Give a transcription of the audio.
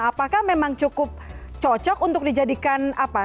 apakah memang cukup cocok untuk dijadikan apa